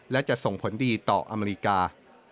และจะส่งผลดีต่ออเมริกา